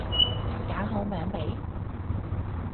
揀好名未？